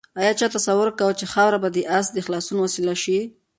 آیا چا تصور کاوه چې خاوره به د آس د خلاصون وسیله شي؟